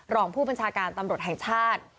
รองผู้บัญชาการตำรวจแห่งชาติ